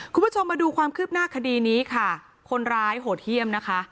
คุณผู้ชมมาดูความคืบหน้าคดีนี้ค่ะคนร้ายโหดเยี่ยมนะคะ